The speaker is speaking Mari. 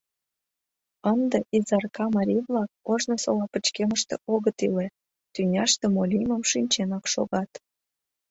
Ынде Изарка марий-влак ожнысыла пычкемыште огыт иле, тӱняште мо лиймым шинченак шогат.